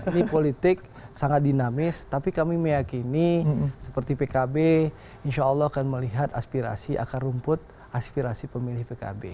ini politik sangat dinamis tapi kami meyakini seperti pkb insya allah akan melihat aspirasi akar rumput aspirasi pemilih pkb